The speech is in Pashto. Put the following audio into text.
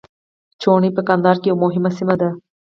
چوڼۍ په کندهار کي یوه مهمه سیمه ده.